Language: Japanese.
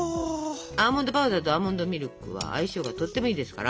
アーモンドパウダーとアーモンドミルクは相性がとってもいいですから。